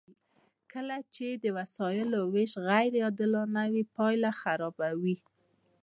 کله چې د وسایلو ویش غیر عادلانه وي پایله خرابه وي.